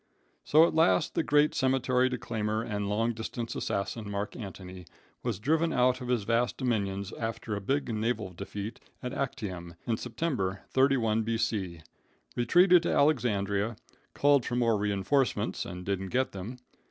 So, at last, the great cemetery declaimer and long distance assassin, Mark Antony, was driven out of his vast dominions after a big naval defeat at Actium, in September, 31 B.C., retreated to Alexandria, called for more reinforcements and didn't get them.